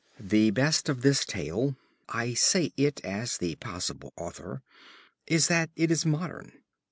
The best of this tale (I say it as the possible author) is that it is modern.